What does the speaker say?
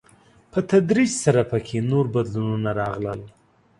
په تدريج سره په کې نور بدلونونه راغلل.